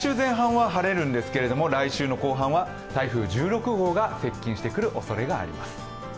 来週前半は晴れるんですけれども、来週の後半は台風１６号が接近してくるおそれがあります。